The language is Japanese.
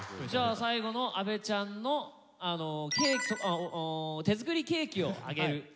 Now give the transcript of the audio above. じゃあ最後の阿部ちゃんの手作りケーキをあげる。